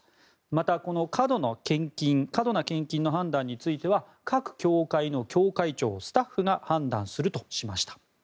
また、過度な献金の判断については各教会の教会長・スタッフが判断するとしました。